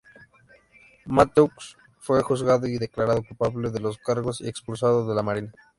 Mathews fue juzgado y declarado culpable de los cargos, y expulsado de la marina.